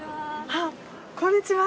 あっこんにちは。